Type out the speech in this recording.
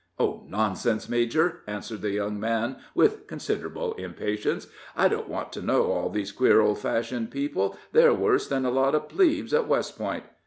"Oh, nonsense, major," answered the young man, with considerable impatience. "I don't want to know all these queer, old fashioned people; they're worse than a lot of plebes at West Point."